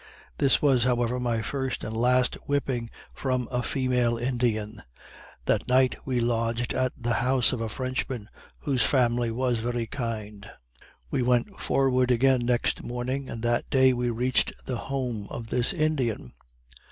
This was, however, my first and last whipping from a female Indian. That night we lodged at the house of a Frenchman, whose family was very kind. We went forward again next morning, and that day we reached the home of this Indian.